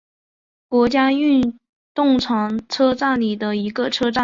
国家运动场车站里的一个车站。